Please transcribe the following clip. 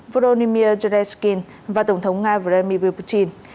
vladimir zelensky và tổng thống nga vladimir putin